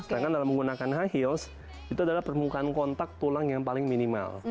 sedangkan dalam menggunakan high heels itu adalah permukaan kontak tulang yang paling minimal